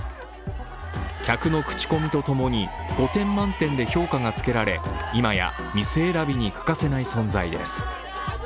客の口コミとともに５点満点で評価がつけられ今や店選びに欠かせない存在です。